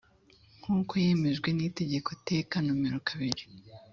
nk uko yemejwe n itegeko teka nomero kabiri